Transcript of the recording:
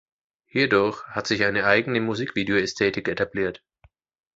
Hierdurch hat sich eine eigene Musikvideo-Ästhetik etabliert.